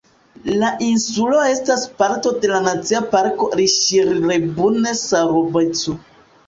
La insulo estas parto de la Nacia Parko Riŝiri-Rebun-Sarobecu.